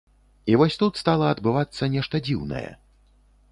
І вось тут стала адбывацца нешта дзіўнае.